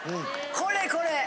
これこれ。